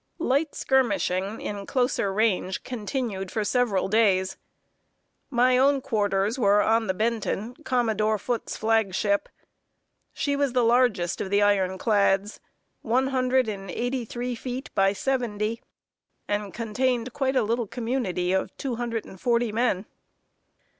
Light skirmishing in closer range continued for several days. My own quarters were on the Benton, Commodore Foote's flagship. She was the largest of the iron clads, one hundred and eighty three feet by seventy, and contained quite a little community of two hundred and forty men.